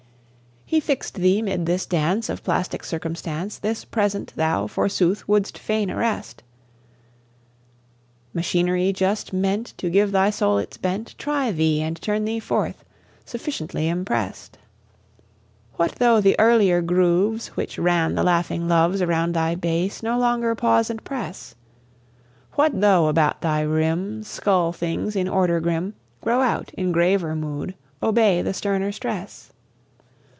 He fix'd thee 'mid this dance Of plastic circumstance, This Present, thou, forsooth, wouldst fain arrest Machinery just meant To give thy soul its bent, Try thee and turn thee forth, sufficiently impress'd. What though the earlier grooves Which ran the laughing loves Around thy base, no longer pause and press? What though, about thy rim, Scull things in order grim Grow out, in graver mood, obey the sterner stress?